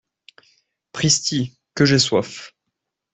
Pristi, que j’ai soif !…